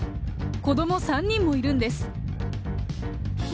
子ども３人もいるんです。